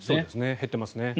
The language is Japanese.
減っていますね。